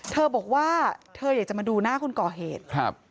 เธอบอกว่าเธออยากจะมาดูหน้าคนก่อเหตุครับ